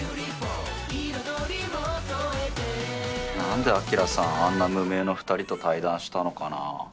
何でアキラさんあんな無名の２人と対談したのかなぁ。